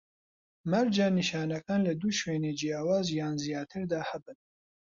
مەرجە نیشانەکان لە دوو شوێنی جیاواز یان زیاتر دا هەبن